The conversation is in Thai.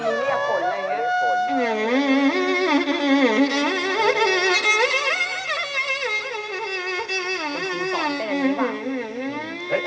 วีดีโรค